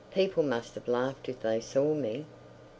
People must have laughed if they saw me....